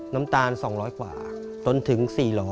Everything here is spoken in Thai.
น้ำตาล๒๐๐กว่าจนถึง๔๐๐